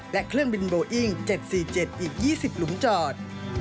และเครื่องบินโบอิ้ง๗๔๗อีก๒๐หลุมจอด